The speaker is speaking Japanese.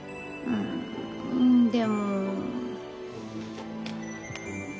うんでも。